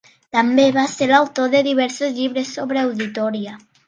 També va ser l'autor de diversos llibres sobre auditoria.